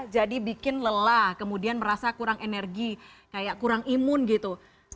jadi bikin lelah kemudian merasa kurang energi kayak kurang imun gitu